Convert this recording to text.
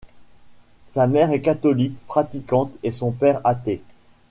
Sa mère est catholique pratiquante et son père athée.